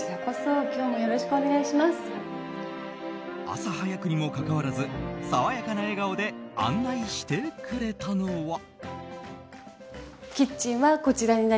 朝早くにもかかわらず爽やかな笑顔で案内してくれたのは。